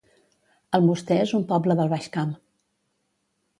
Almoster es un poble del Baix Camp